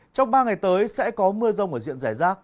trong ba ngày tới sẽ có mưa rông ở diện giải rác